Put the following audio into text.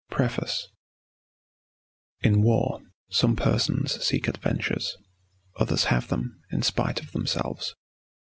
_ PREFACE In war some persons seek adventures; others have them in spite of themselves.